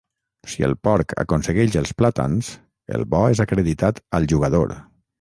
Si el porc aconsegueix els plàtans, el bo és acreditat al jugador.